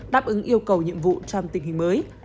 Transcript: đáp ứng yêu cầu nhiệm vụ trong tình hình mới